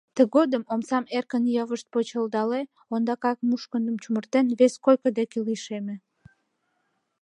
Тыгодым омсам эркын-йывышт почылдале, ондакак мушкындым чумыртен, вес койко деке лишеме.